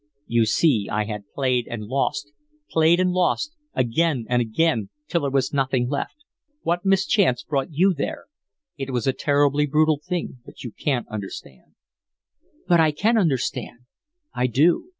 You see, I had played and lost, played and lost, again and again, till there was nothing left. What mischance brought you there? It was a terribly brutal thing, but you can't understand." "But I can understand. I do.